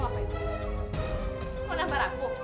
mau nampar aku